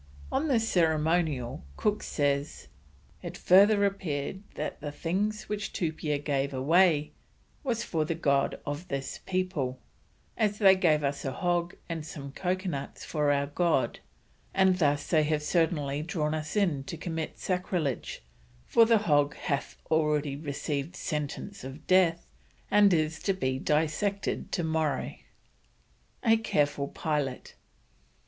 On this ceremonial Cook says: "It further appear'd that the things which Tupia gave away, was for the God of this people, as they gave us a hog and some coconuts for our God, and thus they have certainly drawn us in to commit sacrilege, for the Hog hath already received sentence of Death and is to be dissected tomorrow." A CAREFUL PILOT.